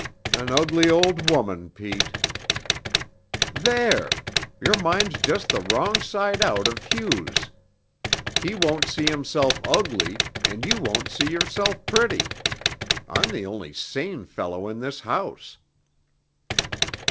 "An ugly old woman, Pete." "There! Your mind's just the wrong side out of Hugh's. He won't see himself ugly, and you won't see yourself pretty. I'm the only sane fellow in this house."